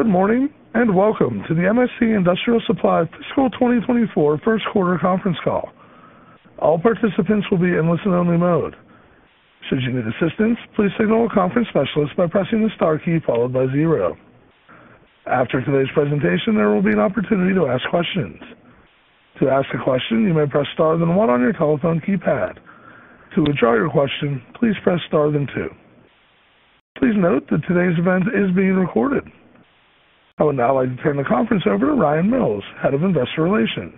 Good morning, and welcome to the MSC Industrial Supply Fiscal 2024 First Quarter Conference Call. All participants will be in listen-only mode. Should you need assistance, please signal a conference specialist by pressing the star key followed by zero. After today's presentation, there will be an opportunity to ask questions. To ask a question, you may press star then one on your telephone keypad. To withdraw your question, please press star then two. Please note that today's event is being recorded. I would now like to turn the conference over to Ryan Mills, Head of Investor Relations.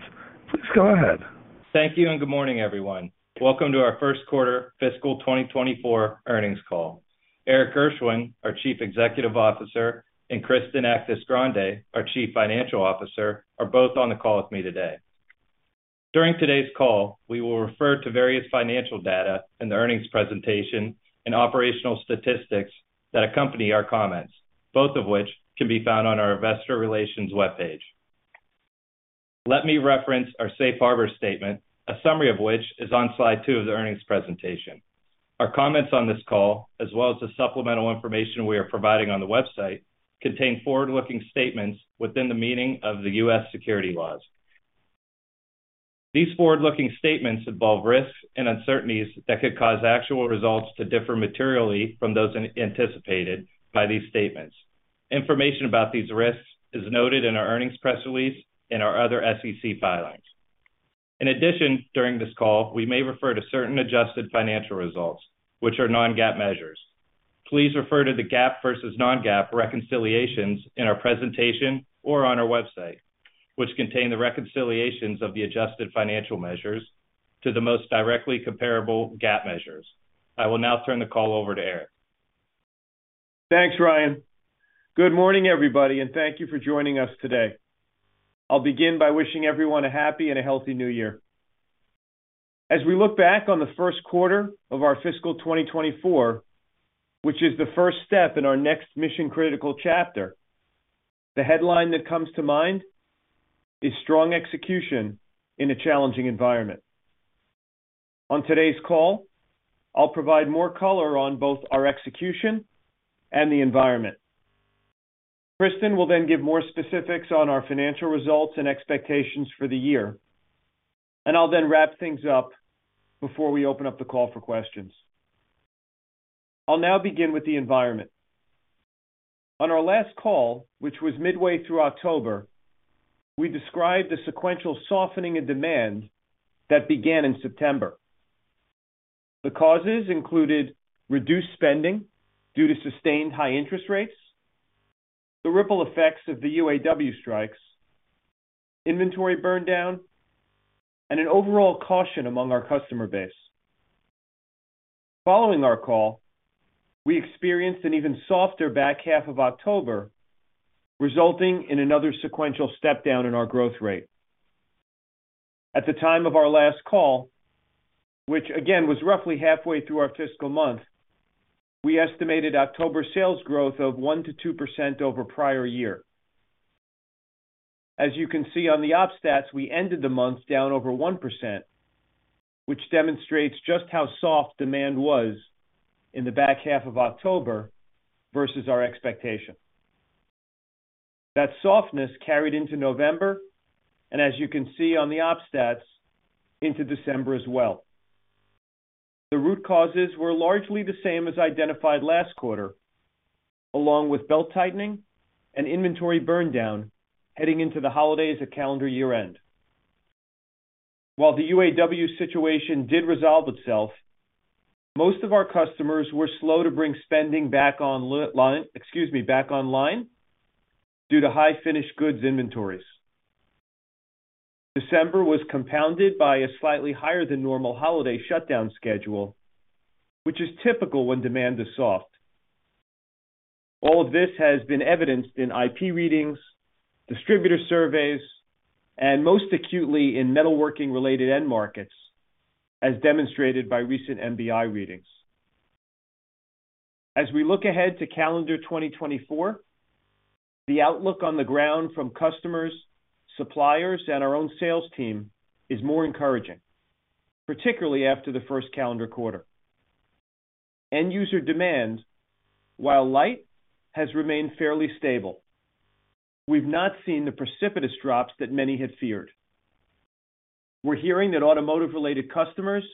Please go ahead. Thank you, and good morning, everyone. Welcome to our first quarter fiscal 2024 earnings call. Erik Gershwind, our Chief Executive Officer, and Kristen Actis-Grande, our Chief Financial Officer, are both on the call with me today. During today's call, we will refer to various financial data in the earnings presentation and operational statistics that accompany our comments, both of which can be found on our investor relations webpage. Let me reference our safe harbor statement, a summary of which is on slide two of the earnings presentation. Our comments on this call, as well as the supplemental information we are providing on the website, contain forward-looking statements within the meaning of the U.S. securities laws. These forward-looking statements involve risks and uncertainties that could cause actual results to differ materially from those anticipated by these statements. Information about these risks is noted in our earnings press release and our other SEC filings. In addition, during this call, we may refer to certain adjusted financial results, which are non-GAAP measures. Please refer to the GAAP versus non-GAAP reconciliations in our presentation or on our website, which contain the reconciliations of the adjusted financial measures to the most directly comparable GAAP measures. I will now turn the call over to Erik. Thanks, Ryan. Good morning, everybody, and thank you for joining us today. I'll begin by wishing everyone a happy and a healthy new year. As we look back on the first quarter of our fiscal 2024, which is the first step in our next mission-critical chapter, the headline that comes to mind is Strong Execution in a Challenging Environment. On today's call, I'll provide more color on both our execution and the environment. Kristen will then give more specifics on our financial results and expectations for the year, and I'll then wrap things up before we open up the call for questions. I'll now begin with the environment. On our last call, which was midway through October, we described the sequential softening in demand that began in September. The causes included reduced spending due to sustained high interest rates, the ripple effects of the UAW strikes, inventory burndown, and an overall caution among our customer base. Following our call, we experienced an even softer back half of October, resulting in another sequential step down in our growth rate. At the time of our last call, which again was roughly halfway through our fiscal month, we estimated October sales growth of 1%-2% over prior year. As you can see on the op stats, we ended the month down over 1%, which demonstrates just how soft demand was in the back half of October versus our expectation. That softness carried into November, and as you can see on the op stats, into December as well. The root causes were largely the same as identified last quarter, along with belt-tightening and inventory burndown, heading into the holidays at calendar year-end. While the UAW situation did resolve itself, most of our customers were slow to bring spending back on line, excuse me, back online due to high finished goods inventories. December was compounded by a slightly higher than normal holiday shutdown schedule, which is typical when demand is soft. All of this has been evidenced in IP readings, distributor surveys, and most acutely in metalworking-related end markets, as demonstrated by recent MBI readings. As we look ahead to calendar 2024, the outlook on the ground from customers, suppliers, and our own sales team is more encouraging, particularly after the first calendar quarter. End-user demand, while light, has remained fairly stable. We've not seen the precipitous drops that many had feared. We're hearing that automotive-related customers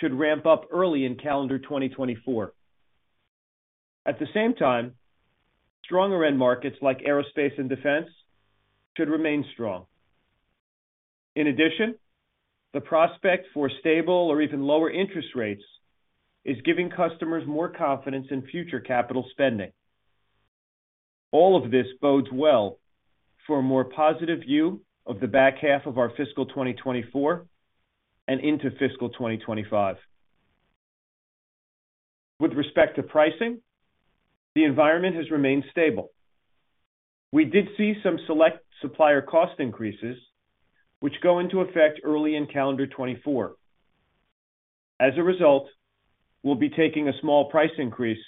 should ramp up early in calendar 2024. At the same time, stronger end markets like aerospace and defense should remain strong. In addition, the prospect for stable or even lower interest rates is giving customers more confidence in future capital spending. All of this bodes well for a more positive view of the back half of our fiscal 2024 and into fiscal 2025. With respect to pricing, the environment has remained stable. We did see some select supplier cost increases, which go into effect early in calendar 2024. As a result, we'll be taking a small price increase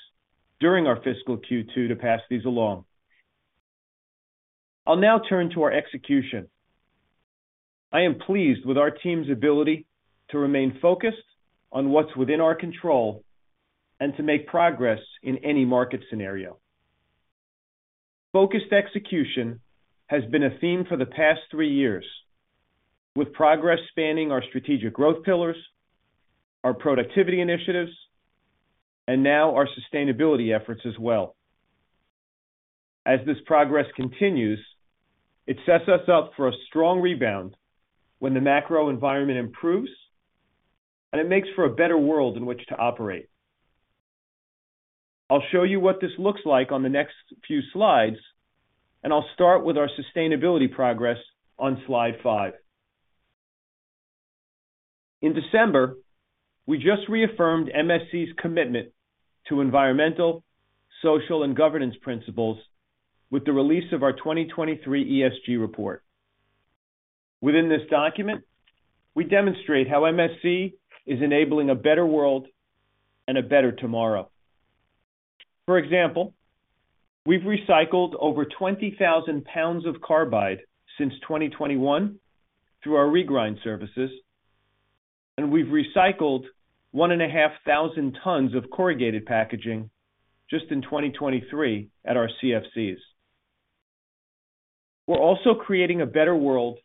during our fiscal Q2 to pass these along. I'll now turn to our execution. I am pleased with our team's ability to remain focused on what's within our control and to make progress in any market scenario. Focused execution has been a theme for the past three years, with progress spanning our strategic growth pillars, our productivity initiatives, and now our sustainability efforts as well. As this progress continues, it sets us up for a strong rebound when the macro environment improves, and it makes for a better world in which to operate. I'll show you what this looks like on the next few slides, and I'll start with our sustainability progress on slide five. In December, we just reaffirmed MSC's commitment to environmental, social, and governance principles with the release of our 2023 ESG report. Within this document, we demonstrate how MSC is enabling a better world and a better tomorrow. For example, we've recycled over 20,000 pounds of carbide since 2021 through our regrind services, and we've recycled 1,500 tons of corrugated packaging just in 2023 at our CFCs. We're also creating a better world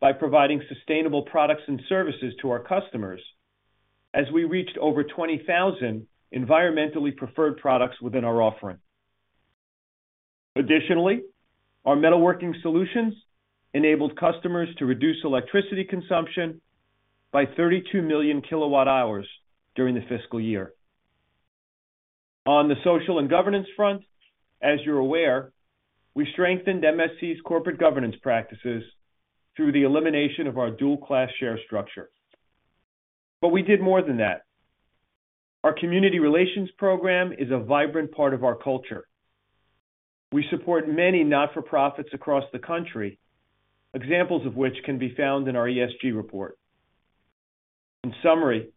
by providing sustainable products and services to our customers as we reached over 20,000 environmentally preferred products within our offering. Additionally, our metalworking solutions enabled customers to reduce electricity consumption by 32 million kilowatt hours during the fiscal year. On the social and governance front, as you're aware, we strengthened MSC's corporate governance practices through the elimination of our dual class share structure. But we did more than that. Our community relations program is a vibrant part of our culture. We support many not-for-profits across the country, examples of which can be found in our ESG report. In summary,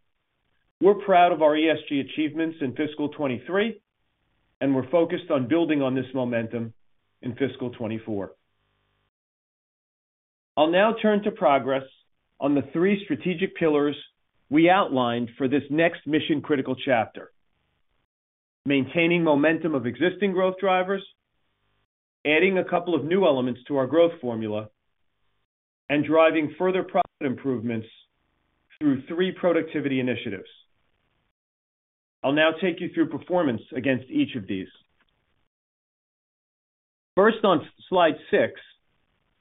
we're proud of our ESG achievements in fiscal 2023, and we're focused on building on this momentum in fiscal 2024. I'll now turn to progress on the three strategic pillars we outlined for this next mission-critical chapter: maintaining momentum of existing growth drivers, adding a couple of new elements to our growth formula, and driving further profit improvements through three productivity initiatives. I'll now take you through performance against each of these. First, on slide six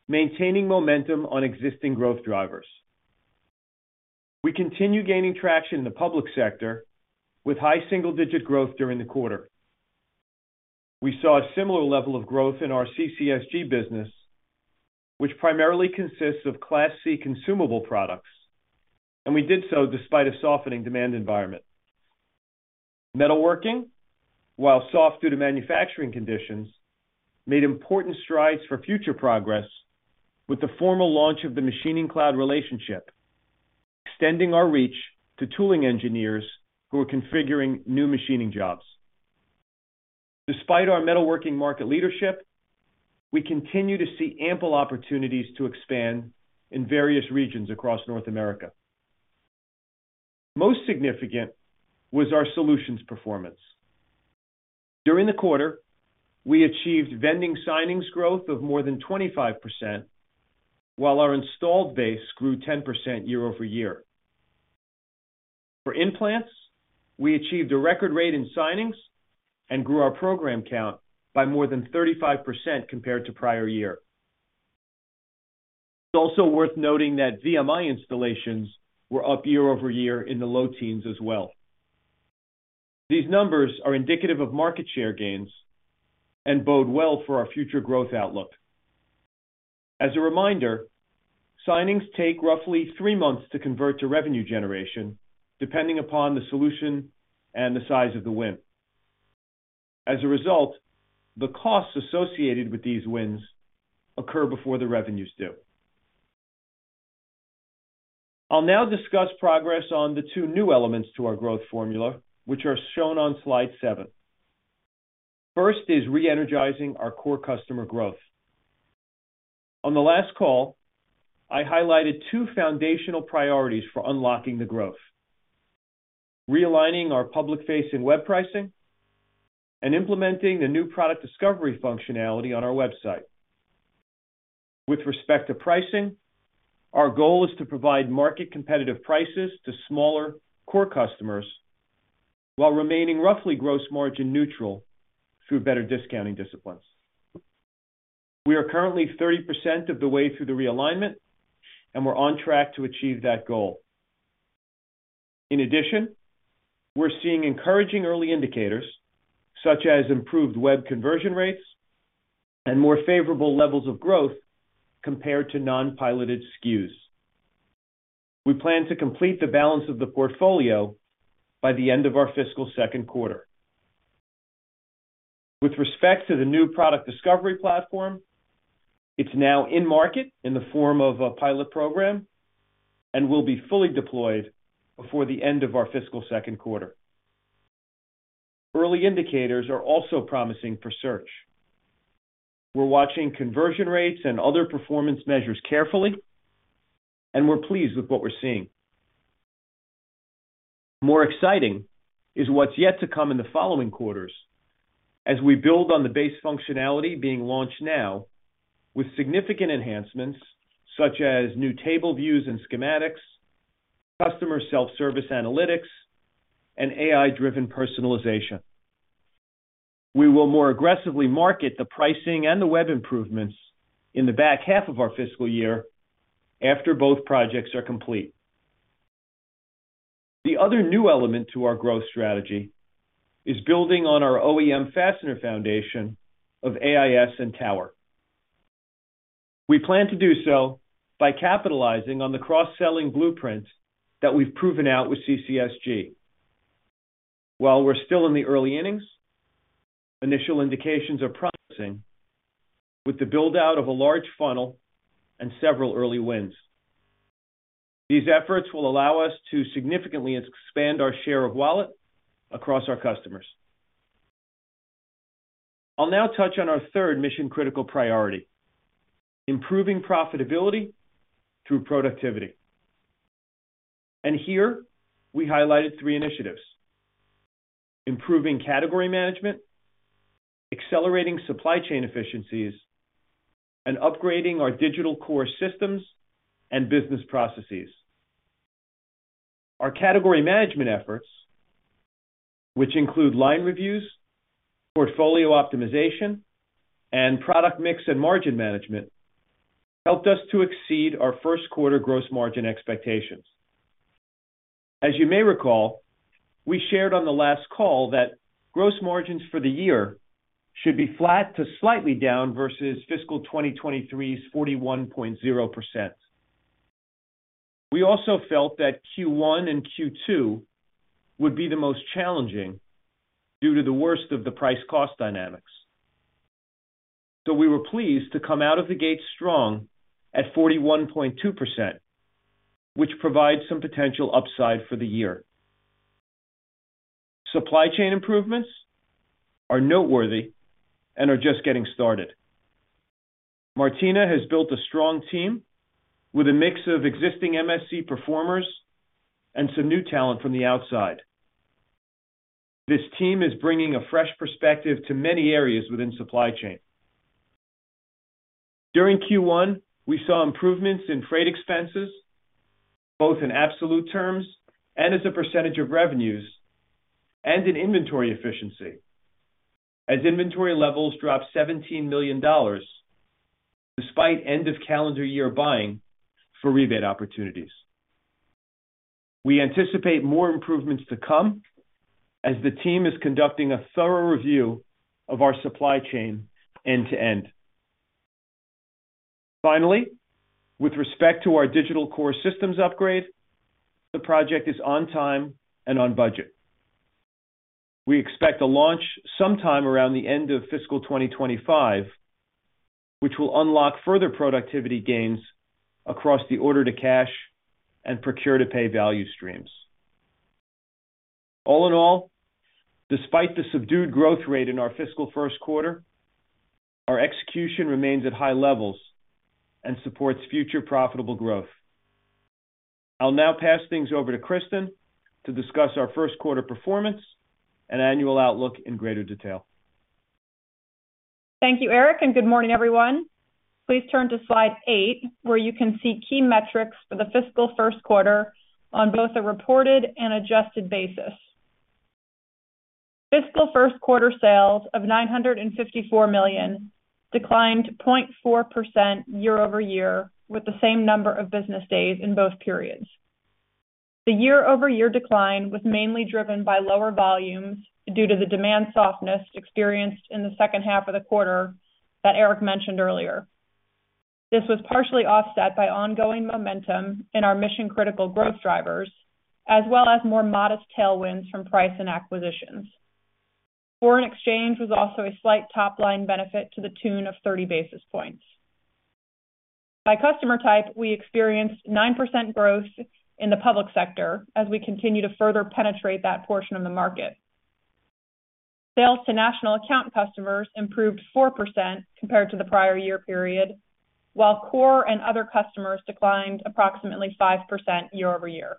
maintaining momentum on existing growth drivers. We continue gaining traction in the public sector with high single-digit growth during the quarter. We saw a similar level of growth in our CCSG business, which primarily consists of Class C consumable products, and we did so despite a softening demand environment. Metalworking, while soft due to manufacturing conditions, made important strides for future progress with the formal launch of the MachiningCloud relationship, extending our reach to tooling engineers who are configuring new machining jobs. Despite our metalworking market leadership, we continue to see ample opportunities to expand in various regions across North America. Most significant was our solutions performance. During the quarter, we achieved vending signings growth of more than 25%, while our installed base grew 10% year-over-year. For in-plants, we achieved a record rate in signings and grew our program count by more than 35% compared to prior year. It's also worth noting that VMI installations were up year-over-year in the low teens as well. These numbers are indicative of market share gains and bode well for our future growth outlook. As a reminder, signings take roughly three months to convert to revenue generation, depending upon the solution and the size of the win. As a result, the costs associated with these wins occur before the revenues do. I'll now discuss progress on the two new elements to our growth formula, which are shown on slide seven. First is re-energizing our core customer growth. On the last call, I highlighted two foundational priorities for unlocking the growth: realigning our public-facing web pricing and implementing the new product discovery functionality on our website. With respect to pricing, our goal is to provide market competitive prices to smaller core customers while remaining roughly gross margin neutral through better discounting disciplines. We are currently 30% of the way through the realignment, and we're on track to achieve that goal. In addition, we're seeing encouraging early indicators, such as improved web conversion rates and more favorable levels of growth compared to non-piloted SKUs. We plan to complete the balance of the portfolio by the end of our fiscal second quarter. With respect to the new product discovery platform, it's now in market in the form of a pilot program and will be fully deployed before the end of our fiscal second quarter. Early indicators are also promising for search. We're watching conversion rates and other performance measures carefully, and we're pleased with what we're seeing. More exciting is what's yet to come in the following quarters, as we build on the base functionality being launched now, with significant enhancements, such as new table views and schematics, customer self-service analytics, and AI-driven personalization. We will more aggressively market the pricing and the web improvements in the back half of our fiscal year after both projects are complete. The other new element to our growth strategy is building on our OEM fastener foundation of AIS and Tower. We plan to do so by capitalizing on the cross-selling blueprints that we've proven out with CCSG. While we're still in the early innings, initial indications are promising, with the build-out of a large funnel and several early wins. These efforts will allow us to significantly expand our share of wallet across our customers. I'll now touch on our third mission-critical priority: improving profitability through productivity. And here, we highlighted three initiatives: improving category management, accelerating supply chain efficiencies, and upgrading our digital core systems and business processes. Our category management efforts, which include line reviews, portfolio optimization, and product mix and margin management, helped us to exceed our first quarter gross margin expectations. As you may recall, we shared on the last call that gross margins for the year should be flat to slightly down versus fiscal 2023's 41.0%. We also felt that Q1 and Q2 would be the most challenging due to the worst of the price-cost dynamics. So we were pleased to come out of the gate strong at 41.2%, which provides some potential upside for the year. Supply chain improvements are noteworthy and are just getting started. Martina has built a strong team with a mix of existing MSC performers and some new talent from the outside. This team is bringing a fresh perspective to many areas within supply chain. During Q1, we saw improvements in freight expenses, both in absolute terms and as a percentage of revenues and in inventory efficiency, as inventory levels dropped $17 million, despite end of calendar year buying for rebate opportunities. We anticipate more improvements to come as the team is conducting a thorough review of our supply chain end to end. Finally, with respect to our digital core systems upgrade, the project is on time and on budget. We expect a launch sometime around the end of fiscal 2025, which will unlock further productivity gains across the order to cash and procure to pay value streams. All in all, despite the subdued growth rate in our fiscal first quarter, our execution remains at high levels and supports future profitable growth. I'll now pass things over to Kristen to discuss our first quarter performance and annual outlook in greater detail. Thank you, Erik, and good morning, everyone. Please turn to slide eight, where you can see key metrics for the fiscal first quarter on both a reported and adjusted basis. Fiscal first quarter sales of $954 million declined 0.4% year-over-year, with the same number of business days in both periods. The year-over-year decline was mainly driven by lower volumes due to the demand softness experienced in the second half of the quarter that Erik mentioned earlier. This was partially offset by ongoing momentum in our mission-critical growth drivers, as well as more modest tailwinds from price and acquisitions. Foreign exchange was also a slight top-line benefit to the tune of 30 basis points. By customer type, we experienced 9% growth in the public sector as we continue to further penetrate that portion of the market. Sales to national account customers improved 4% compared to the prior year period, while core and other customers declined approximately 5% year-over-year.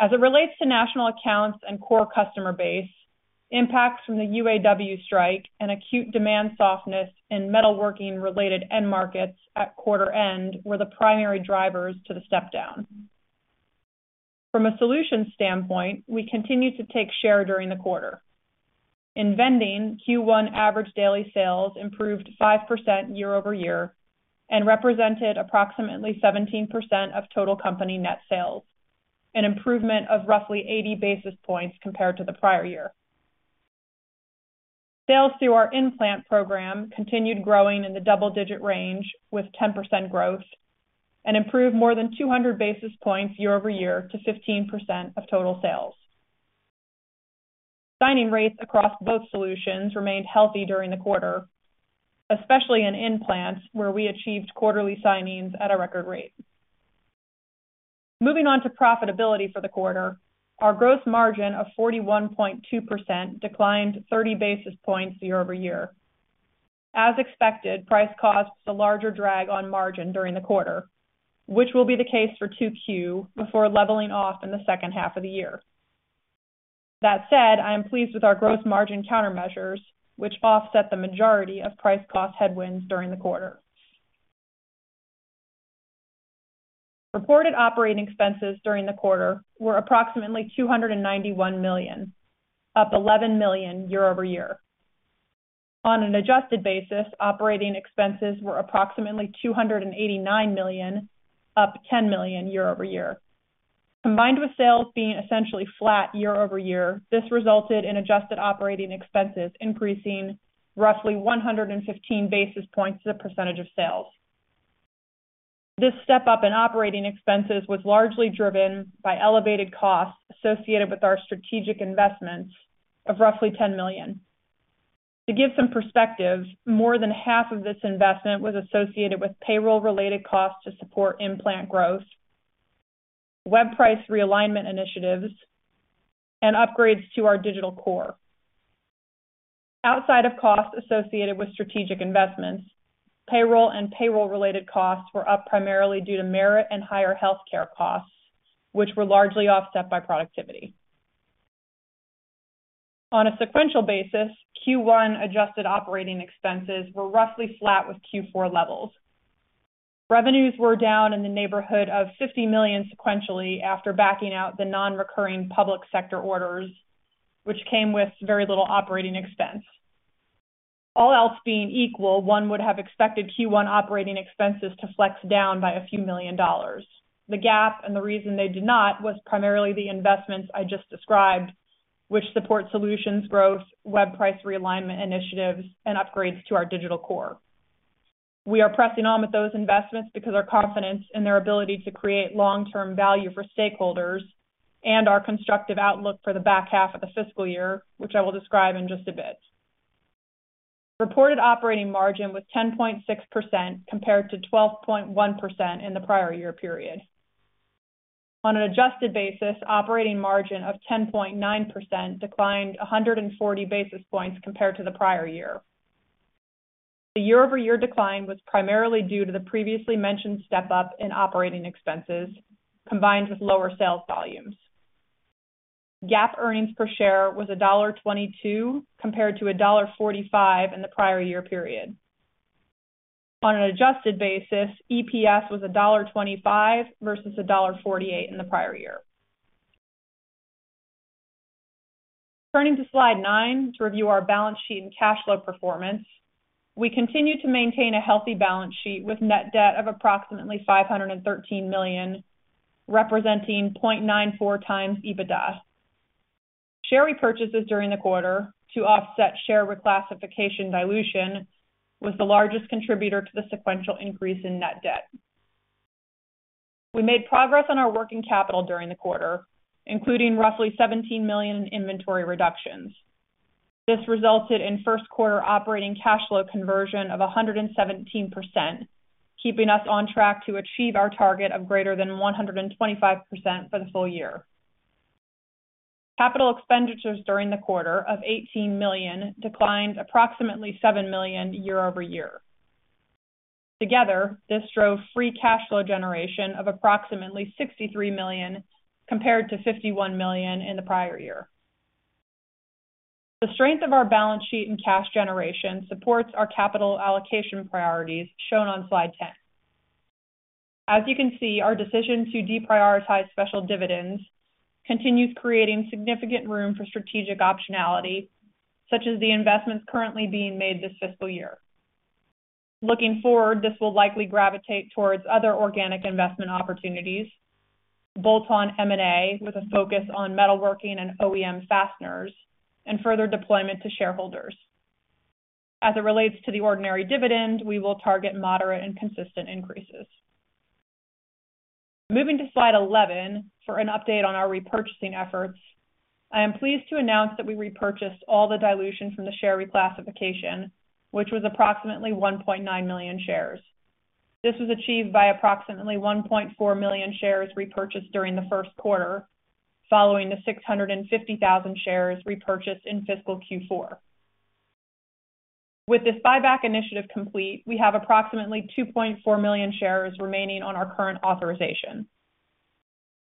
As it relates to national accounts and core customer base, impacts from the UAW strike and acute demand softness in metalworking related end markets at quarter end were the primary drivers to the step down. From a solutions standpoint, we continued to take share during the quarter. In vending, Q1 average daily sales improved 5% year-over-year and represented approximately 17% of total company net sales, an improvement of roughly 80 basis points compared to the prior year. Sales through our in-plant program continued growing in the double-digit range, with 10% growth, and improved more than 200 basis points year-over-year to 15% of total sales. Signing rates across both solutions remained healthy during the quarter, especially in in-plants, where we achieved quarterly signings at a record rate. Moving on to profitability for the quarter. Our gross margin of 41.2% declined 30 basis points year-over-year. As expected, price costs a larger drag on margin during the quarter, which will be the case for 2Q before leveling off in the second half of the year. That said, I am pleased with our growth margin countermeasures, which offset the majority of price cost headwinds during the quarter. Reported operating expenses during the quarter were approximately $291 million, up $11 million year-over-year. On an adjusted basis, operating expenses were approximately $289 million, up $10 million year-over-year. Combined with sales being essentially flat year-over-year, this resulted in adjusted operating expenses increasing roughly 115 basis points to the percentage of sales. This step-up in operating expenses was largely driven by elevated costs associated with our strategic investments of roughly $10 million. To give some perspective, more than half of this investment was associated with payroll-related costs to support in-plant growth, web price realignment initiatives, and upgrades to our digital core. Outside of costs associated with strategic investments, payroll and payroll-related costs were up primarily due to merit and higher healthcare costs, which were largely offset by productivity. On a sequential basis, Q1 adjusted operating expenses were roughly flat with Q4 levels. Revenues were down in the neighborhood of $50 million sequentially, after backing out the non-recurring public sector orders, which came with very little operating expense. All else being equal, one would have expected Q1 operating expenses to flex down by a few million dollars. The gap and the reason they did not was primarily the investments I just described, which support solutions growth, web price realignment initiatives, and upgrades to our digital core. We are pressing on with those investments because our confidence in their ability to create long-term value for stakeholders and our constructive outlook for the back half of the fiscal year, which I will describe in just a bit. Reported operating margin was 10.6%, compared to 12.1% in the prior year period. On an adjusted basis, operating margin of 10.9% declined 140 basis points compared to the prior year. The year-over-year decline was primarily due to the previously mentioned step-up in operating expenses, combined with lower sales volumes. GAAP earnings per share was $1.22, compared to $1.45 in the prior year period. On an adjusted basis, EPS was $1.25 versus $1.48 in the prior year. Turning to Slide nine, to review our balance sheet and cash flow performance. We continue to maintain a healthy balance sheet with net debt of approximately $513 million, representing 0.94x EBITDA. Share repurchases during the quarter to offset share reclassification dilution was the largest contributor to the sequential increase in net debt. We made progress on our working capital during the quarter, including roughly $17 million in inventory reductions. This resulted in first quarter operating cash flow conversion of 117%, keeping us on track to achieve our target of greater than 125% for the full year. Capital expenditures during the quarter of $18 million declined approximately $7 million year-over-year. Together, this drove free cash flow generation of approximately $63 million compared to $51 million in the prior year. The strength of our balance sheet and cash generation supports our capital allocation priorities, shown on Slide 10. As you can see, our decision to deprioritize special dividends continues creating significant room for strategic optionality, such as the investments currently being made this fiscal year. Looking forward, this will likely gravitate towards other organic investment opportunities, bolt-on M&A, with a focus on metalworking and OEM fasteners, and further deployment to shareholders. As it relates to the ordinary dividend, we will target moderate and consistent increases. Moving to Slide 11, for an update on our repurchasing efforts, I am pleased to announce that we repurchased all the dilution from the share reclassification, which was approximately 1.9 million shares. This was achieved by approximately 1.4 million shares repurchased during the first quarter, following the 650,000 shares repurchased in fiscal Q4. With this buyback initiative complete, we have approximately 2.4 million shares remaining on our current authorization.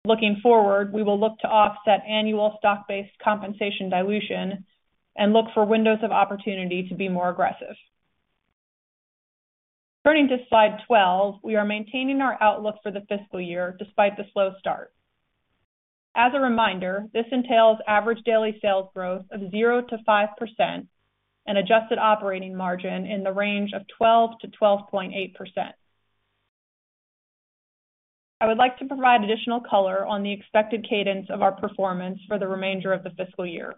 Looking forward, we will look to offset annual stock-based compensation dilution and look for windows of opportunity to be more aggressive. Turning to Slide 12, we are maintaining our outlook for the fiscal year despite the slow start. As a reminder, this entails average daily sales growth of 0%-5% and adjusted operating margin in the range of 12%-12.8%. I would like to provide additional color on the expected cadence of our performance for the remainder of the fiscal year.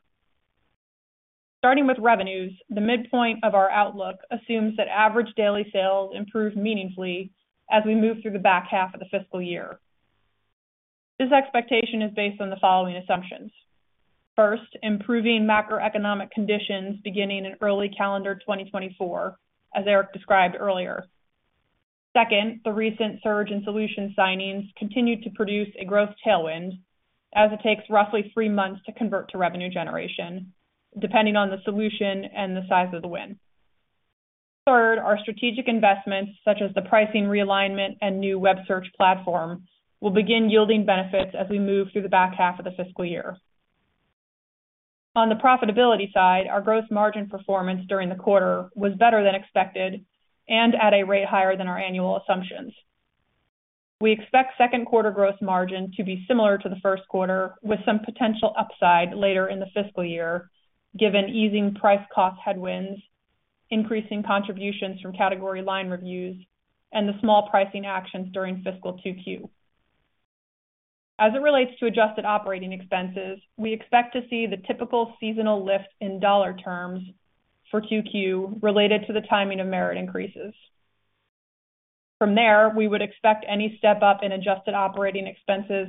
Starting with revenues, the midpoint of our outlook assumes that average daily sales improve meaningfully as we move through the back half of the fiscal year. This expectation is based on the following assumptions. First, improving macroeconomic conditions beginning in early calendar 2024, as Erik described earlier. Second, the recent surge in solution signings continued to produce a growth tailwind, as it takes roughly three months to convert to revenue generation, depending on the solution and the size of the win. Third, our strategic investments, such as the pricing realignment and new web search platform, will begin yielding benefits as we move through the back half of the fiscal year. On the profitability side, our gross margin performance during the quarter was better than expected and at a rate higher than our annual assumptions. We expect second quarter gross margin to be similar to the first quarter, with some potential upside later in the fiscal year, given easing price cost headwinds, increasing contributions from category line reviews, and the small pricing actions during fiscal 2Q. As it relates to adjusted operating expenses, we expect to see the typical seasonal lift in dollar terms for Q2 related to the timing of merit increases. From there, we would expect any step up in adjusted operating expenses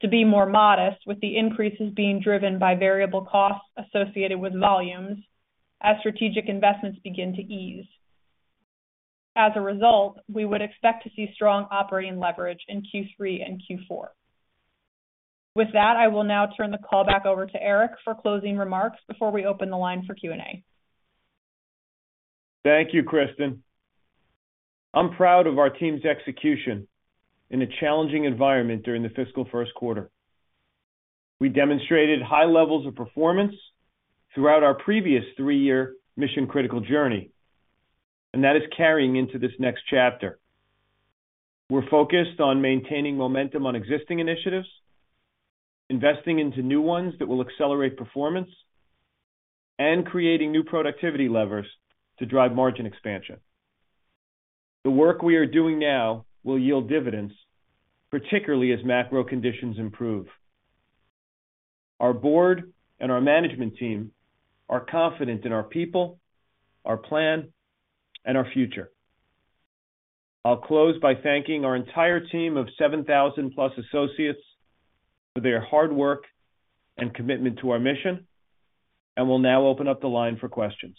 to be more modest, with the increases being driven by variable costs associated with volumes as strategic investments begin to ease. As a result, we would expect to see strong operating leverage in Q3 and Q4. With that, I will now turn the call back over to Erik for closing remarks before we open the line for Q&A. Thank you, Kristen. I'm proud of our team's execution in a challenging environment during the fiscal first quarter. We demonstrated high levels of performance throughout our previous three-year mission-critical journey, and that is carrying into this next chapter. We're focused on maintaining momentum on existing initiatives, investing into new ones that will accelerate performance, and creating new productivity levers to drive margin expansion. The work we are doing now will yield dividends, particularly as macro conditions improve. Our board and our management team are confident in our people, our plan, and our future. I'll close by thanking our entire team of 7,000+ associates for their hard work and commitment to our mission, and we'll now open up the line for questions.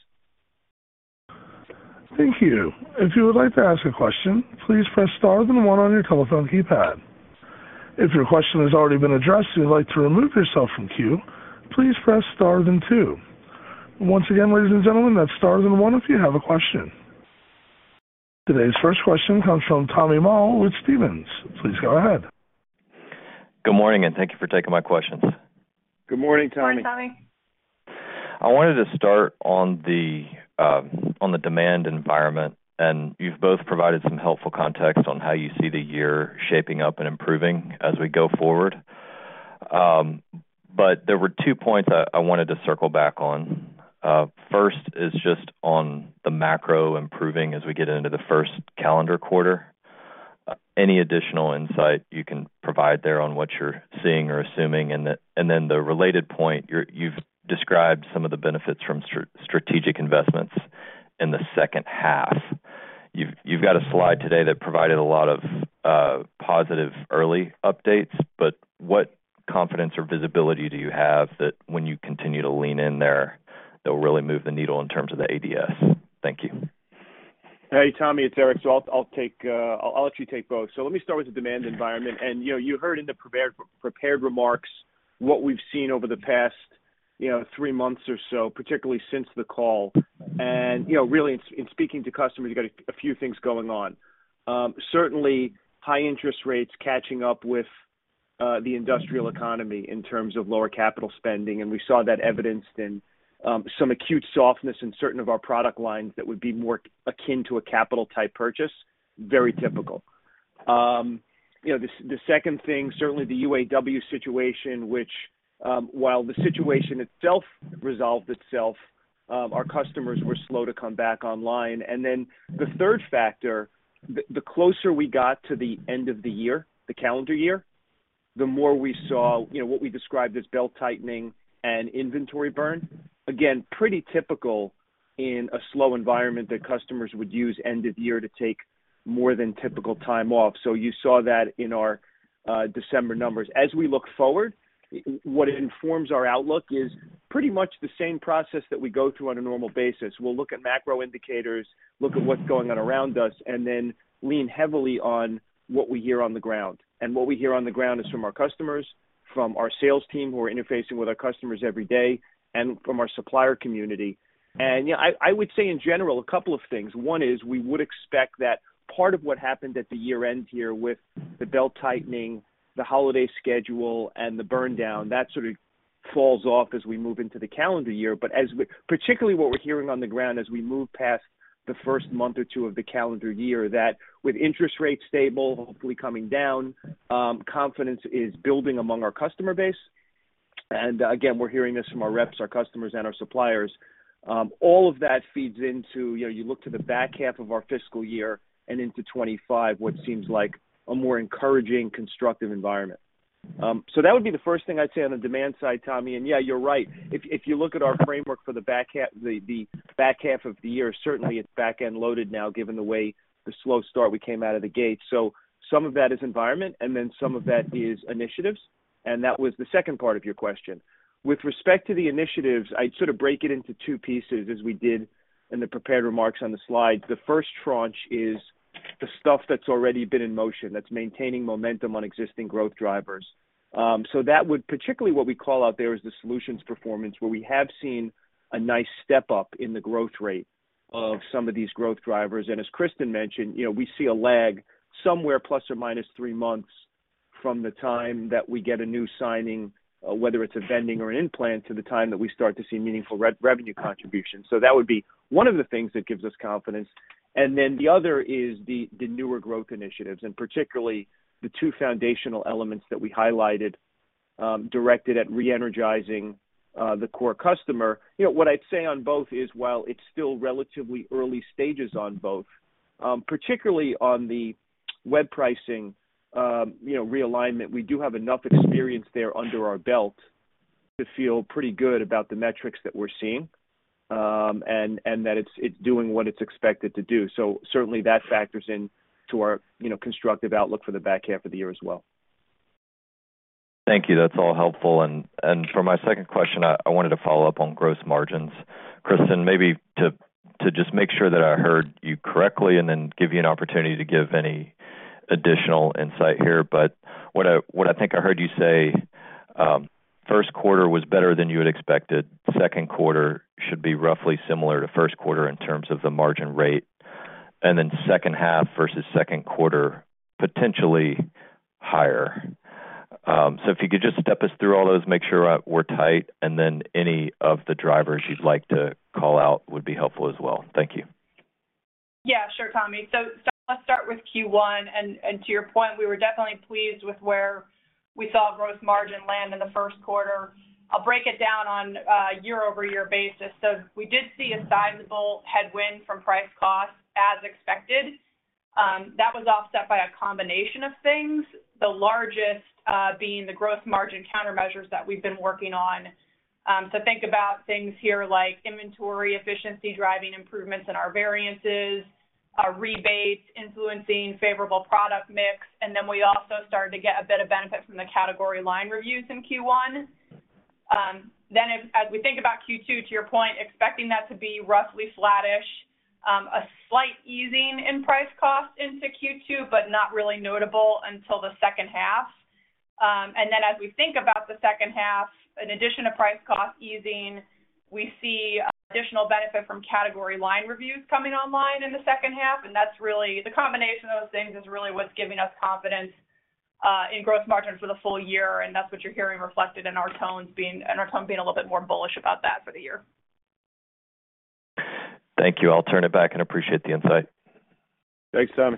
Thank you. If you would like to ask a question, please press star then one on your telephone keypad. If your question has already been addressed and you'd like to remove yourself from queue, please press star then two. Once again, ladies and gentlemen, that's star then one if you have a question. Today's first question comes from Tommy Moll with Stephens. Please go ahead. Good morning, and thank you for taking my questions. Good morning, Tommy. Good morning, Tommy. I wanted to start on the demand environment, and you've both provided some helpful context on how you see the year shaping up and improving as we go forward. But there were two points I wanted to circle back on. First is just on the macro improving as we get into the first calendar quarter. Any additional insight you can provide there on what you're seeing or assuming? And then the related point, you've described some of the benefits from strategic investments in the second half. You've got a slide today that provided a lot of positive early updates, but what confidence or visibility do you have that when you continue to lean in there, that will really move the needle in terms of the ADS? Thank you. Hey, Tommy, it's Erik. So I'll let you take both. So let me start with the demand environment. And, you know, you heard in the prepared remarks what we've seen over the past three months or so, particularly since the call. And, you know, really, in speaking to customers, you've got a few things going on. Certainly high interest rates catching up with the industrial economy in terms of lower capital spending, and we saw that evidenced in some acute softness in certain of our product lines that would be more akin to a capital-type purchase. Very typical. You know, the second thing, certainly the UAW situation, which, while the situation itself resolved itself, our customers were slow to come back online. And then the third factor, the closer we got to the end of the year, the calendar year, the more we saw, you know, what we described as belt-tightening and inventory burn. Again, pretty typical in a slow environment that customers would use end of year to take more than typical time off. So you saw that in our December numbers. As we look forward, what informs our outlook is pretty much the same process that we go through on a normal basis. We'll look at macro indicators, look at what's going on around us, and then lean heavily on what we hear on the ground. And what we hear on the ground is from our customers, from our sales team, who are interfacing with our customers every day, and from our supplier community. And, you know, I would say in general, a couple of things. One is we would expect that part of what happened at the year-end here with the belt-tightening, the holiday schedule, and the burn down, that sort of falls off as we move into the calendar year. But as we... Particularly what we're hearing on the ground as we move past the first month or two of the calendar year, that with interest rates stable, hopefully coming down, confidence is building among our customer base. And again, we're hearing this from our reps, our customers, and our suppliers. All of that feeds into, you know, you look to the back half of our fiscal year and into 25, what seems like a more encouraging, constructive environment. So that would be the first thing I'd say on the demand side, Tommy, and yeah, you're right. If you look at our framework for the back half, the back half of the year, certainly it's back-end loaded now, given the way the slow start we came out of the gate. So some of that is environment, and then some of that is initiatives and that was the second part of your question. With respect to the initiatives, I'd sort of break it into two pieces, as we did in the prepared remarks on the slide. The first tranche is the stuff that's already been in motion, that's maintaining momentum on existing growth drivers. So that would, particularly what we call out there, is the solutions performance, where we have seen a nice step up in the growth rate of some of these growth drivers. As Kristen mentioned, you know, we see a lag somewhere ±3 months from the time that we get a new signing, whether it's a vending or an in-plant, to the time that we start to see meaningful revenue contribution. That would be one of the things that gives us confidence. Then the other is the newer growth initiatives, and particularly the two foundational elements that we highlighted, directed at reenergizing the core customer. You know, what I'd say on both is, while it's still relatively early stages on both, particularly on the web pricing realignment, you know, we do have enough experience there under our belt to feel pretty good about the metrics that we're seeing. And that it's doing what it's expected to do. Certainly that factors in to our, you know, constructive outlook for the back half of the year as well. Thank you. That's all helpful. And for my second question, I wanted to follow up on gross margins. Kristen, maybe to just make sure that I heard you correctly, and then give you an opportunity to give any additional insight here. But what I think I heard you say, first quarter was better than you had expected. Second quarter should be roughly similar to first quarter in terms of the margin rate, and then second half versus second quarter, potentially higher. So if you could just step us through all those, make sure we're tight, and then any of the drivers you'd like to call out would be helpful as well. Thank you. Yeah, sure, Tommy. So let's start with Q1, and to your point, we were definitely pleased with where we saw gross margin land in the first quarter. I'll break it down on a year-over-year basis. So we did see a sizable headwind from price cost as expected. That was offset by a combination of things, the largest being the gross margin countermeasures that we've been working on. So think about things here like inventory efficiency, driving improvements in our variances, rebates, influencing favorable product mix, and then we also started to get a bit of benefit from the category line reviews in Q1. Then as we think about Q2, to your point, expecting that to be roughly flattish, a slight easing in price cost into Q2, but not really notable until the second half. And then as we think about the second half, in addition to price cost easing, we see additional benefit from category line reviews coming online in the second half, and that's really the combination of those things is really what's giving us confidence in gross margins for the full year, and that's what you're hearing reflected in our tones being and our tone being a little bit more bullish about that for the year. Thank you. I'll turn it back and appreciate the insight. Thanks, Tommy.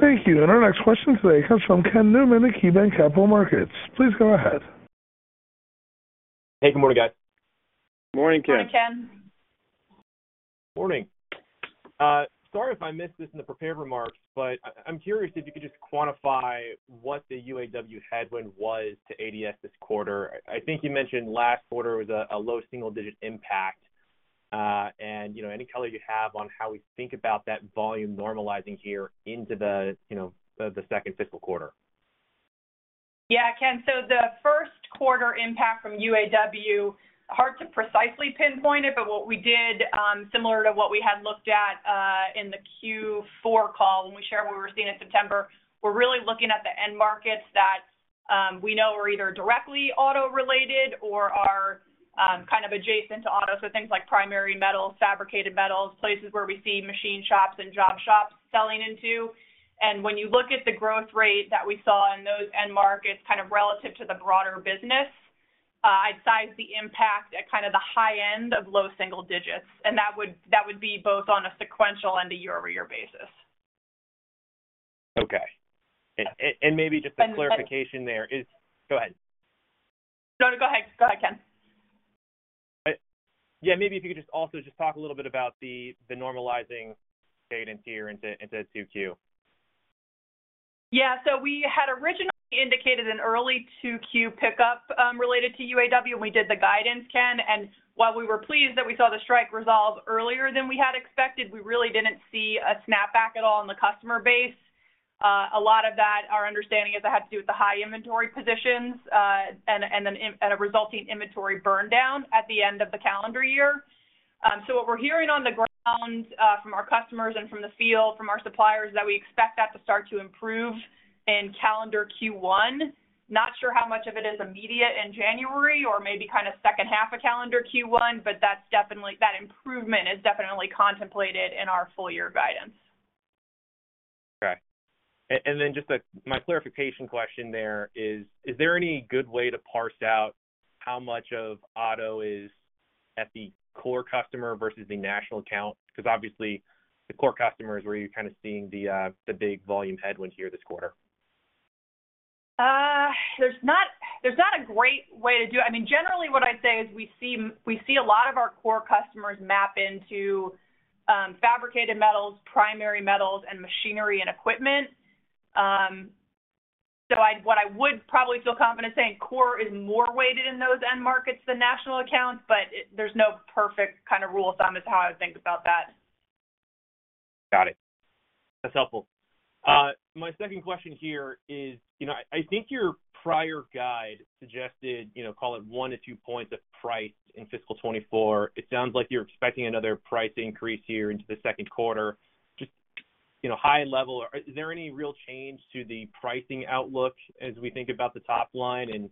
Thank you. Our next question today comes from Ken Newman at KeyBanc Capital Markets. Please go ahead. Hey, good morning, guys. Morning, Ken. Morning, Ken. Morning. Sorry if I missed this in the prepared remarks, but I'm curious if you could just quantify what the UAW headwind was to ADS this quarter. I think you mentioned last quarter was a low single digit impact. And, you know, any color you have on how we think about that volume normalizing here into the, you know, the second fiscal quarter? Yeah, Ken. So the first quarter impact from UAW, hard to precisely pinpoint it, but what we did, similar to what we had looked at, in the Q4 call, when we shared what we were seeing in September, we're really looking at the end markets that, we know are either directly auto-related or are, kind of adjacent to auto. So things like primary metals, fabricated metals, places where we see machine shops and job shops selling into. And when you look at the growth rate that we saw in those end markets, kind of relative to the broader business, I'd size the impact at kind of the high end of low single digits, and that would, that would be both on a sequential and a year-over-year basis. Okay. And maybe just a clarification there is. Go ahead. No, go ahead. Go ahead, Ken. Yeah, maybe if you could just also talk a little bit about the normalizing cadence here into 2Q? Yeah. So we had originally indicated an early 2Q pickup, related to UAW, when we did the guidance, Ken. And while we were pleased that we saw the strike resolve earlier than we had expected, we really didn't see a snapback at all in the customer base. A lot of that, our understanding is, that had to do with the high inventory positions, and, and then, and a resulting inventory burn down at the end of the calendar year. So what we're hearing on the ground, from our customers and from the field, from our suppliers, is that we expect that to start to improve in calendar Q1. Not sure how much of it is immediate in January or maybe kind of second half of calendar Q1, but that's definitely that improvement is definitely contemplated in our full year guidance. Okay. And then just my clarification question there is, is there any good way to parse out how much of auto is at the core customer versus the national account? Because obviously the core customer is where you're kind of seeing the big volume headwind here this quarter. There's not a great way to do it. I mean, generally what I'd say is we see a lot of our core customers map into fabricated metals, primary metals, and machinery and equipment. So what I would probably feel confident saying, core is more weighted in those end markets than national accounts, but it, there's no perfect kind of rule of thumb is how I would think about that. That's helpful. My second question here is, you know, I think your prior guide suggested, you know, call it one to two points of price in fiscal 2024. It sounds like you're expecting another price increase here into the second quarter. Just, you know, high level, is there any real change to the pricing outlook as we think about the top line? And,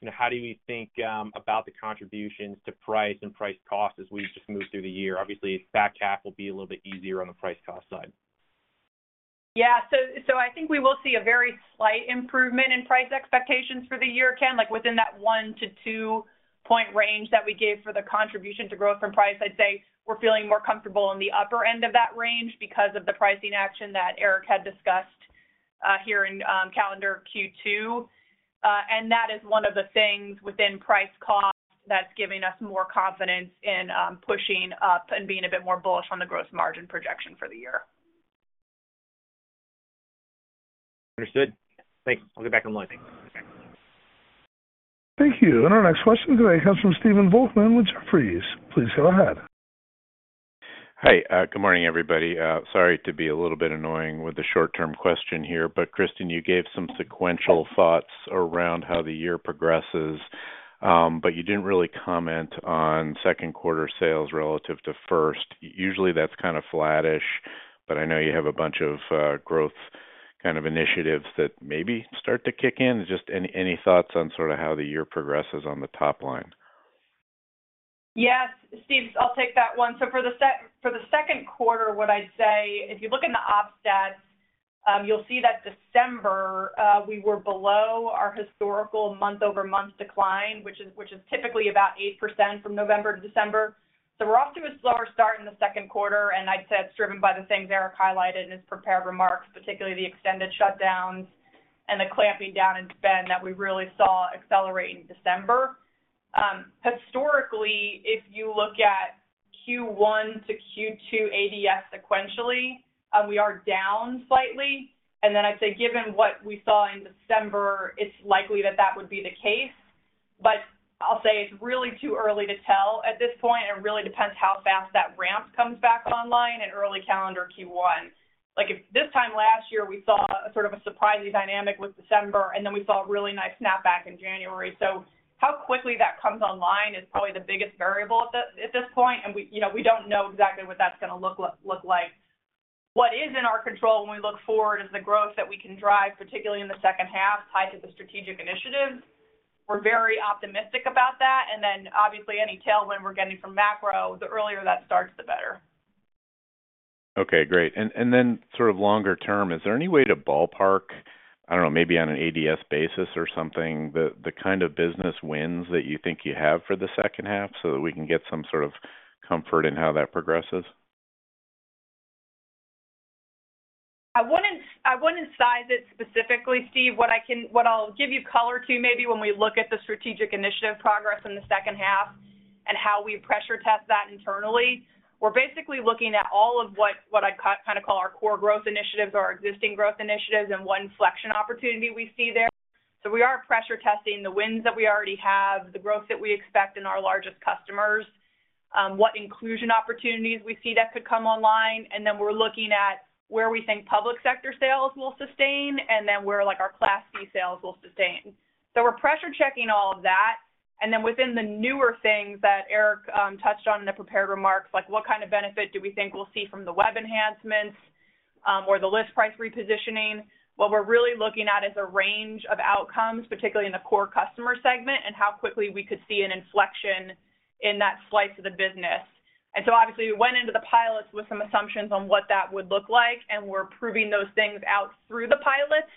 you know, how do you think about the contributions to price and price cost as we just move through the year? Obviously, back half will be a little bit easier on the price cost side. Yeah. So I think we will see a very slight improvement in price expectations for the year, Ken, like within that one to two-point range that we gave for the contribution to growth from price. I'd say we're feeling more comfortable in the upper end of that range because of the pricing action that Erik had discussed here in calendar Q2. And that is one of the things within price cost that's giving us more confidence in pushing up and being a bit more bullish on the gross margin projection for the year. Understood. Thanks. I'll get back on the line. Thank you. Our next question today comes from Stephen Volkmann with Jefferies. Please go ahead. Hi, good morning, everybody. Sorry to be a little bit annoying with the short-term question here, but Kristen, you gave some sequential thoughts around how the year progresses, but you didn't really comment on second quarter sales relative to first. Usually, that's kind of flattish, but I know you have a bunch of growth kind of initiatives that maybe start to kick in. Just any thoughts on sort of how the year progresses on the top line? Yes, Steve, I'll take that one. So for the second quarter, what I'd say, if you look in the op stats, you'll see that December, we were below our historical month-over-month decline, which is, which is typically about 8% from November to December. So we're off to a slower start in the second quarter, and I'd say it's driven by the same things Erik highlighted in his prepared remarks, particularly the extended shutdowns and the clamping down in spend that we really saw accelerate in December. Historically, if you look at Q1 to Q2 ADS sequentially, we are down slightly, and then I'd say, given what we saw in December, it's likely that that would be the case. But I'll say it's really too early to tell at this point, and it really depends how fast that ramp comes back online in early calendar Q1. Like, if this time last year, we saw a sort of a surprising dynamic with December, and then we saw a really nice snapback in January. So how quickly that comes online is probably the biggest variable at this point, and we, you know, we don't know exactly what that's gonna look like. What is in our control when we look forward, is the growth that we can drive, particularly in the second half, tied to the strategic initiatives. We're very optimistic about that. And then, obviously, any tailwind we're getting from macro, the earlier that starts, the better. Okay, great. And, and then sort of longer term, is there any way to ballpark, I don't know, maybe on an ADS basis or something, the, the kind of business wins that you think you have for the second half, so that we can get some sort of comfort in how that progresses? I wouldn't size it specifically, Steve. What I'll give you color to maybe when we look at the strategic initiative progress in the second half and how we pressure test that internally, we're basically looking at all of what I kind of call our core growth initiatives or our existing growth initiatives, and one inflection opportunity we see there. So we are pressure testing the wins that we already have, the growth that we expect in our largest customers, what inclusion opportunities we see that could come online, and then we're looking at where we think public sector sales will sustain, and then where, like, our Class B sales will sustain. So we're pressure checking all of that, and then within the newer things that Erik touched on in the prepared remarks, like what kind of benefit do we think we'll see from the web enhancements, or the list price repositioning? What we're really looking at is a range of outcomes, particularly in the core customer segment, and how quickly we could see an inflection in that slice of the business. And so obviously, we went into the pilots with some assumptions on what that would look like, and we're proving those things out through the pilots.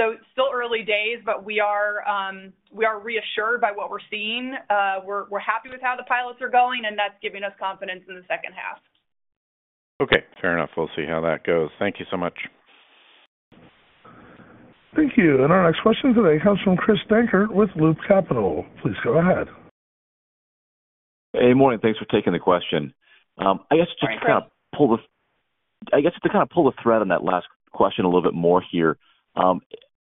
So it's still early days, but we are reassured by what we're seeing. We're happy with how the pilots are going, and that's giving us confidence in the second half. Okay, fair enough. We'll see how that goes. Thank you so much. Thank you. Our next question today comes from Chris Dankert with Loop Capital. Please go ahead. Hey, morning. Thanks for taking the question. Hi, Chris Just to kind of pull the thread on that last question a little bit more here,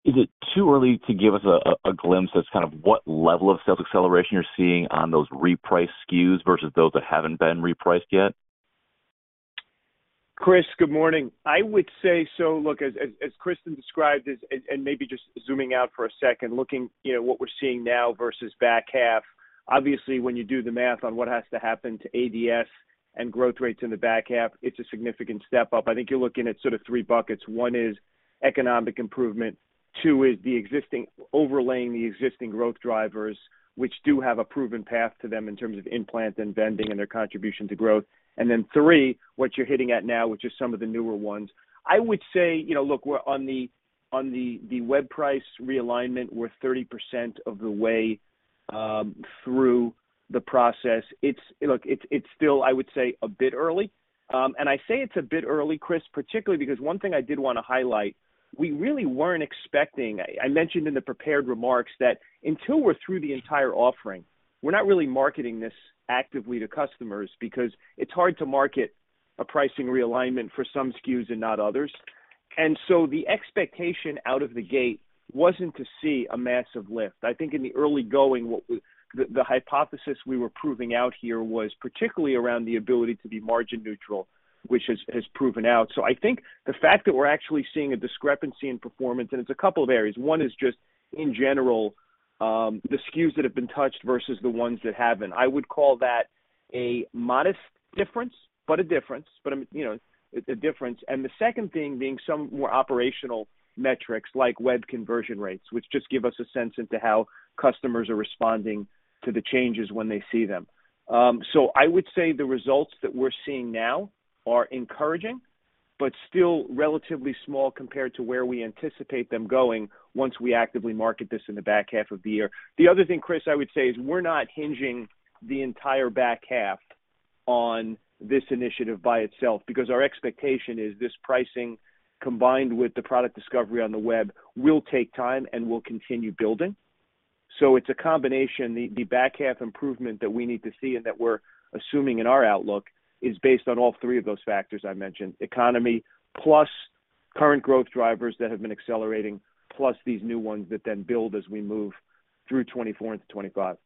is it too early to give us a glimpse as to kind of what level of sales acceleration you're seeing on those repriced SKUs versus those that haven't been repriced yet? Chris, good morning. I would say so. Look, as Kristen described this, and maybe just zooming out for a second, looking, you know, what we're seeing now versus back half, obviously, when you do the math on what has to happen to ADS and growth rates in the back half, it's a significant step up. I think you're looking at sort of three buckets. One is economic improvement, two is the existing, overlaying the existing growth drivers, which do have a proven path to them in terms of in-plant and vending and their contribution to growth, and then three, what you're hitting at now, which is some of the newer ones. I would say, you know, look, we're on the web price realignment, we're 30% of the way through the process. It's. Look, it's still, I would say, a bit early. And I say it's a bit early, Chris, particularly because one thing I did want to highlight, we really weren't expecting, I mentioned in the prepared remarks that until we're through the entire offering, we're not really marketing this actively to customers because it's hard to market a pricing realignment for some SKUs and not others. And so the expectation out of the gate wasn't to see a massive lift. I think in the early going, what we, the hypothesis we were proving out here was particularly around the ability to be margin neutral, which has proven out. So I think the fact that we're actually seeing a discrepancy in performance, and it's a couple of areas. One is just in general, the SKUs that have been touched versus the ones that haven't. I would call that a modest difference, but a difference. But, you know, a difference. And the second thing being some more operational metrics like web conversion rates, which just give us a sense into how customers are responding to the changes when they see them. So I would say the results that we're seeing now are encouraging, but still relatively small compared to where we anticipate them going once we actively market this in the back half of the year. The other thing, Chris, I would say is we're not hinging the entire back half on this initiative by itself, because our expectation is this pricing, combined with the product discovery on the web, will take time and will continue building. So it's a combination. The back half improvement that we need to see and that we're assuming in our outlook is based on all three of those factors I mentioned: economy, plus current growth drivers that have been accelerating, plus these new ones that then build as we move through 2024 into 2025.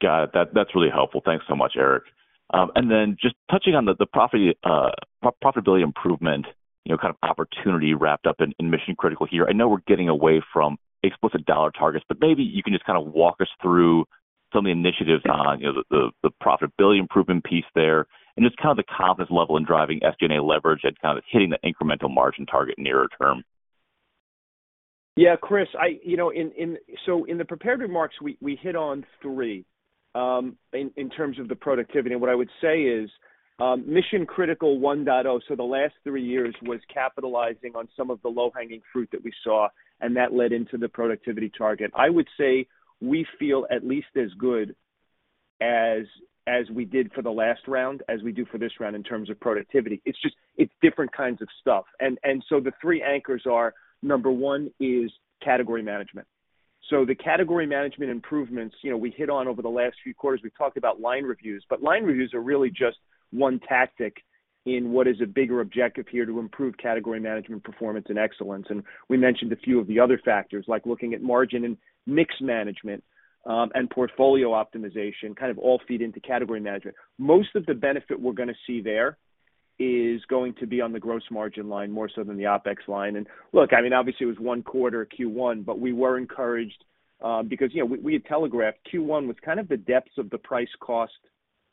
Got it. That, that's really helpful. Thanks so much, Erik. And then just touching on the profitability improvement, you know, kind of opportunity wrapped up in mission-critical here. I know we're getting away from explicit dollar targets, but maybe you can just kind of walk us through some of the initiatives on, you know, the profitability improvement piece there, and just kind of the confidence level in driving SG&A leverage and kind of hitting the incremental margin target nearer term. Yeah, Chris, you know, in the prepared remarks, we hit on three in terms of the productivity. And what I would say is, mission critical 1.0, so the last three years was capitalizing on some of the low-hanging fruit that we saw, and that led into the productivity target. I would say we feel at least as good as we did for the last round as we do for this round in terms of productivity. It's just- it's different kinds of stuff. And so the three anchors are: number one is category management. So the category management improvements, you know, we hit on over the last few quarters, we've talked about line reviews. But line reviews are really just one tactic in what is a bigger objective here to improve category management, performance, and excellence. We mentioned a few of the other factors, like looking at margin and mix management, and portfolio optimization, kind of all feed into category management. Most of the benefit we're gonna see there is going to be on the gross margin line more so than the OpEx line. Look, I mean, obviously, it was one quarter, Q1, but we were encouraged, because, you know, we, we had telegraphed Q1 was kind of the depths of the price cost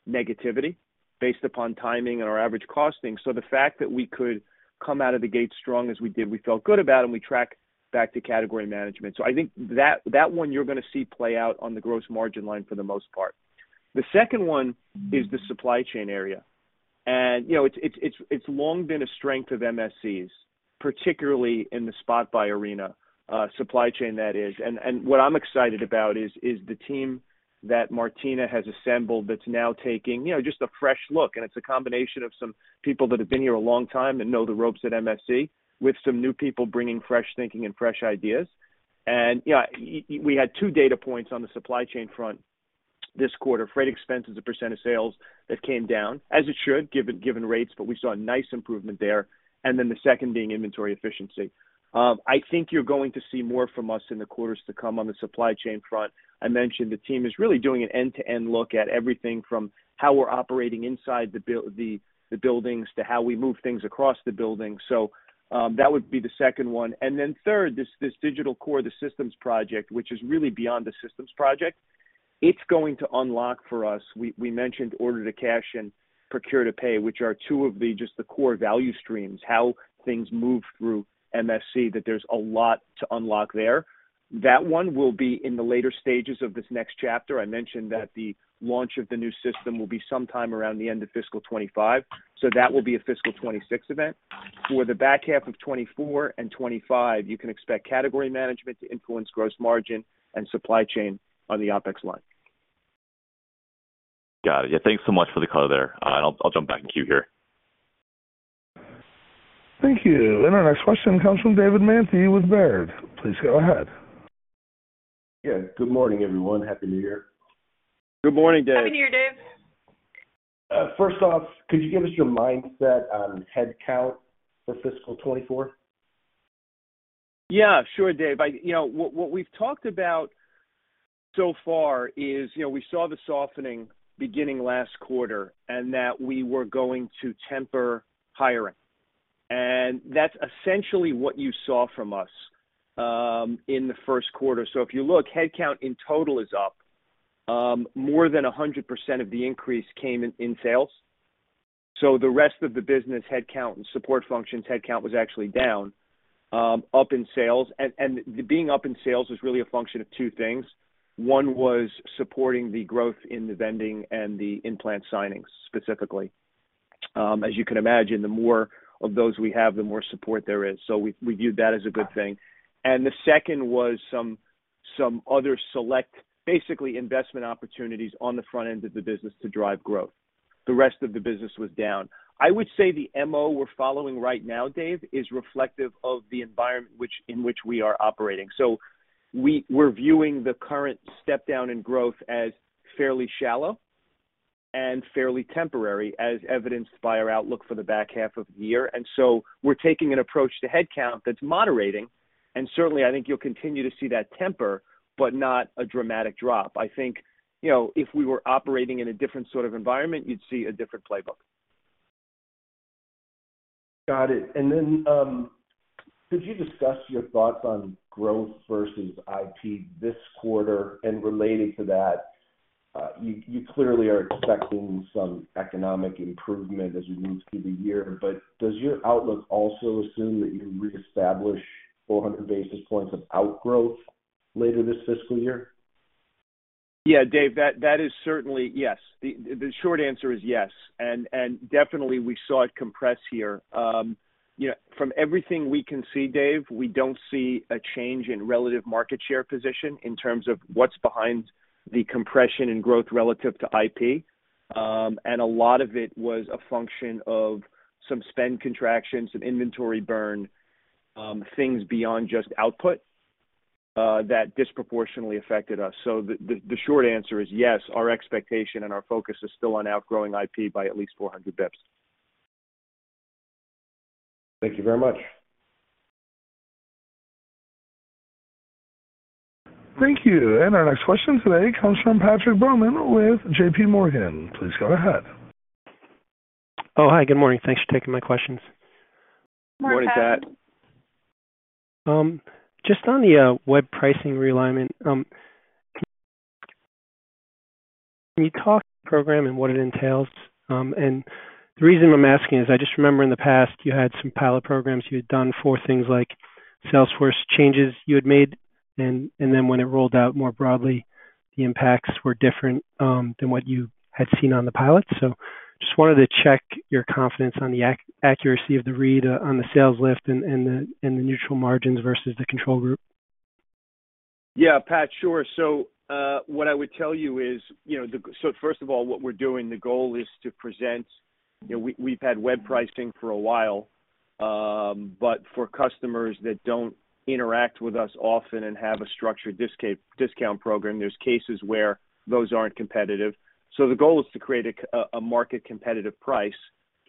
negativity based upon timing and our average costing. The fact that we could come out of the gate strong as we did, we felt good about, and we track back to category management. I think that, that one you're gonna see play out on the gross margin line for the most part. The second one is the supply chain area. You know, it's long been a strength of MSC's, particularly in the spot buy arena, supply chain, that is. And what I'm excited about is the team that Martina has assembled that's now taking, you know, just a fresh look. And it's a combination of some people that have been here a long time and know the ropes at MSC, with some new people bringing fresh thinking and fresh ideas. And, you know, we had two data points on the supply chain front this quarter. Freight expense as a % of sales that came down, as it should, given rates, but we saw a nice improvement there. And then the second being inventory efficiency. I think you're going to see more from us in the quarters to come on the supply chain front. I mentioned the team is really doing an end-to-end look at everything from how we're operating inside the buildings to how we move things across the building. So, that would be the second one. And then third, this digital core, the systems project, which is really beyond the systems project. It's going to unlock for us. We mentioned order to cash and procure to pay, which are two of just the core value streams, how things move through MSC, that there's a lot to unlock there. That one will be in the later stages of this next chapter. I mentioned that the launch of the new system will be sometime around the end of fiscal 2025, so that will be a fiscal 2026 event. For the back half of 2024 and 2025, you can expect category management to influence gross margin and supply chain on the OpEx line. Got it. Yeah, thanks so much for the color there. I'll jump back in queue here. Thank you. Our next question comes from David Manthey with Baird. Please go ahead. Yeah. Good morning, everyone. Happy New Year. Good morning, Dave. Happy New Year, Dave. First off, could you give us your mindset on headcount for fiscal 2024? Yeah, sure, Dave. You know, what we've talked about so far is, you know, we saw the softening beginning last quarter and that we were going to temper hiring. And that's essentially what you saw from us in the first quarter. So if you look, headcount in total is up. More than 100% of the increase came in sales. So the rest of the business headcount and support functions headcount was actually down, up in sales. And being up in sales was really a function of two things. One was supporting the growth in the vending and the in-plant signings, specifically. As you can imagine, the more of those we have, the more support there is, so we viewed that as a good thing. And the second was some other select, basically investment opportunities on the front end of the business to drive growth. The rest of the business was down. I would say the MO we're following right now, Dave, is reflective of the environment in which we are operating. So we're viewing the current step down in growth as fairly shallow and fairly temporary, as evidenced by our outlook for the back half of the year. And so we're taking an approach to headcount that's moderating, and certainly, I think you'll continue to see that temper, but not a dramatic drop. I think, you know, if we were operating in a different sort of environment, you'd see a different playbook. Got it. Then, could you discuss your thoughts on growth versus IP this quarter? Related to that, you clearly are expecting some economic improvement as we move through the year, but does your outlook also assume that you reestablish 400 basis points of outgrowth later this fiscal year? Yeah, Dave, that is certainly yes. The short answer is yes. And definitely we saw it compress here. You know, from everything we can see, Dave, we don't see a change in relative market share position in terms of what's behind the compression and growth relative to IP. And a lot of it was a function of some spend contraction, some inventory burn, things beyond just output, that disproportionately affected us. So the short answer is yes, our expectation and our focus is still on outgrowing IP by at least 400 basis points. Thank you very much. Thank you. Our next question today comes from Patrick Baumann with JPMorgan. Please go ahead. Oh, hi. Good morning. Thanks for taking my questions. Good morning, Pat. Just on the web pricing realignment, can you talk program and what it entails? And the reason I'm asking is I just remember in the past you had some pilot programs you had done for things like Salesforce changes you had made, and then when it rolled out more broadly, the impacts were different than what you had seen on the pilot. So just wanted to check your confidence on the accuracy of the read on the sales lift and the neutral margins versus the control group. Yeah, Pat. Sure. So, what I would tell you is, you know, so first of all, what we're doing, the goal is to present, you know, we, we've had web pricing for a while, but for customers that don't interact with us often and have a structured discount program, there's cases where those aren't competitive. So the goal is to create a market competitive price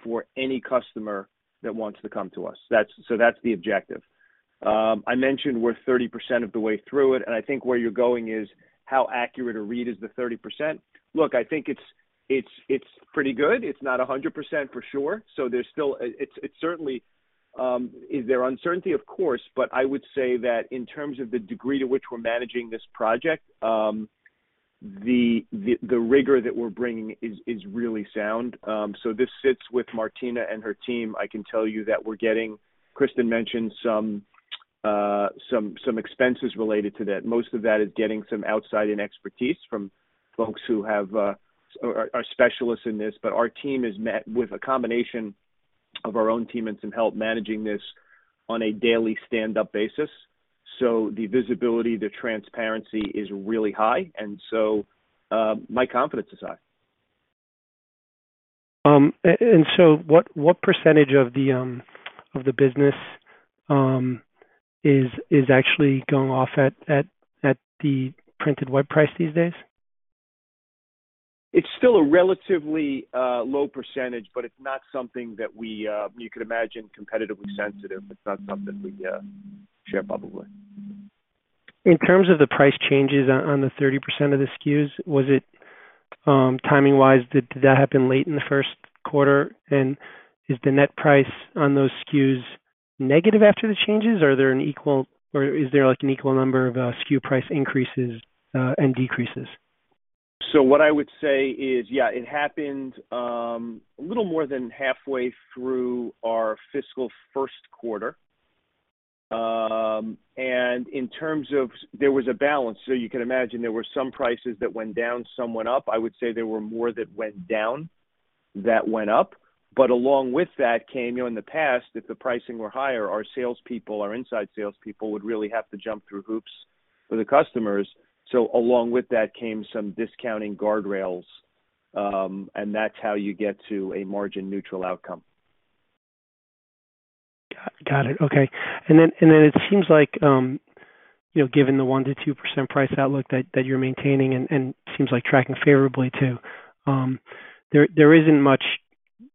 for any customer that wants to come to us. That's - so that's the objective. I mentioned we're 30% of the way through it, and I think where you're going is how accurate a read is the 30%. Look, I think it's, it's, it's pretty good. It's not 100% for sure. So there's still, it's, it's certainly, is there uncertainty? Of course, but I would say that in terms of the degree to which we're managing this project, the rigor that we're bringing is really sound. So this sits with Martina and her team. I can tell you that we're getting, Kristen mentioned some expenses related to that. Most of that is getting some outside expertise from folks who are specialists in this. But our team is met with a combination of our own team and some help managing this on a daily stand-up basis. So the visibility, the transparency is really high, and so my confidence is high. And so what percentage of the business is actually going off at the printed web price these days? It's still a relatively low percentage, but it's not something that we, you could imagine, competitively sensitive. It's not something we share publicly. In terms of the price changes on, on the 30% of the SKUs, was it, timing-wise, did that happen late in the first quarter? And is the net price on those SKUs negative after the changes, or are there an equal or is there, like, an equal number of, SKU price increases, and decreases? So what I would say is, yeah, it happened, a little more than halfway through our fiscal first quarter. And in terms of, there was a balance, so you can imagine there were some prices that went down, some went up. I would say there were more that went down, that went up. But along with that came in the past, if the pricing were higher, our salespeople, our inside salespeople, would really have to jump through hoops for the customers. So along with that came some discounting guardrails, and that's how you get to a margin neutral outcome. Got it. Okay. And then it seems like, you know, given the 1%-2% price outlook that you're maintaining and seems like tracking favorably too, there isn't much,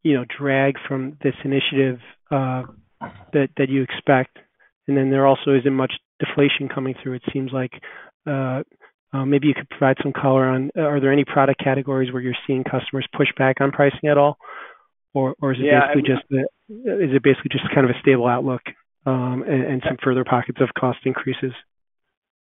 you know, drag from this initiative that you expect. And then there also isn't much deflation coming through, it seems like. Maybe you could provide some color on are there any product categories where you're seeing customers push back on pricing at all, or is it basically just kind of a stable outlook, and some further pockets of cost increases?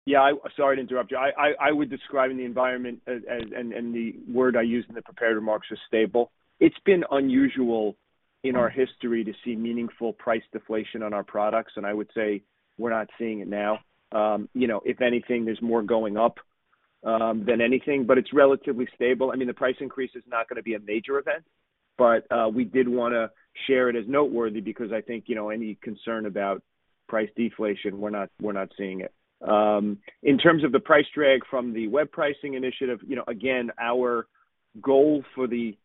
Yeah. Sorry to interrupt you. I would describe the environment as, and the word I use in the prepared remarks is stable. It's been unusual in our history to see meaningful price deflation on our products, and I would say we're not seeing it now. You know, if anything, there's more going up than anything, but it's relatively stable. I mean, the price increase is not gonna be a major event, but we did want to share it as noteworthy because I think, you know, any concern about price deflation, we're not seeing it. In terms of the price drag from the web pricing initiative, you know, again, our goal for the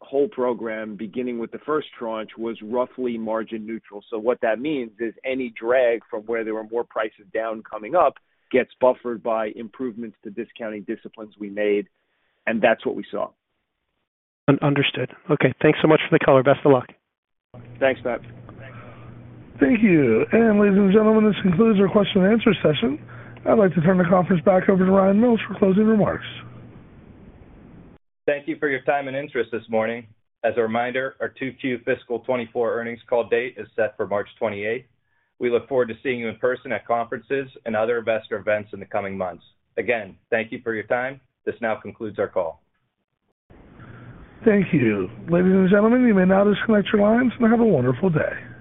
whole program, beginning with the first tranche, was roughly margin neutral. What that means is any drag from where there were more prices down coming up gets buffered by improvements to discounting disciplines we made, and that's what we saw. Understood. Okay, thanks so much for the color. Best of luck. Thanks, Pat. Thank you. Ladies and gentlemen, this concludes our question and answer session. I'd like to turn the conference back over to Ryan Mills for closing remarks. Thank you for your time and interest this morning. As a reminder, our Q2 fiscal 2024 earnings call date is set for March twenty-eighth. We look forward to seeing you in person at conferences and other investor events in the coming months. Again, thank you for your time. This now concludes our call. Thank you. Ladies and gentlemen, you may now disconnect your lines and have a wonderful day.